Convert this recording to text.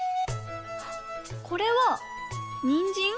これはにんじん？